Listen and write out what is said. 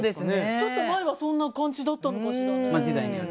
ちょっと前はそんな感じだったのかしらね。